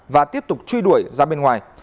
và tiếp tục truy đuổi ra bên ngoài